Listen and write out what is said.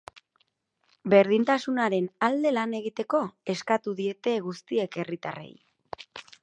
Berdintasunaren alde lan egiteko eskatu diete guztiek herritarrei.